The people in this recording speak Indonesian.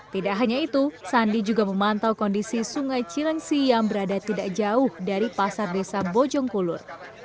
tidak hanya itu sandi juga memantau kondisi sungai cilengsi yang berada tidak jauh dari pasar desa bojongkulur